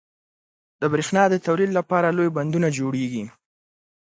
• د برېښنا د تولید لپاره لوی بندونه جوړېږي.